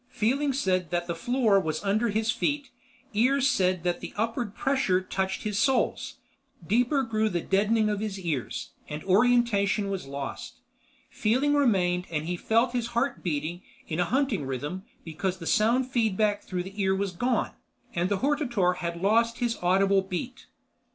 Feeling said that the floor was under his feet, ears said that upward pressure touched his soles. Deeper grew the deadening of his ears, and orientation was lost. Feeling remained and he felt his heart beating in a hunting rhythm because the sound feedback through the ear was gone, and the hortator had lost his audible beat.